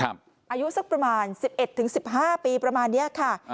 อายุสักประมาณ๑๑๑๕ปีประมาณนี้ค่ะ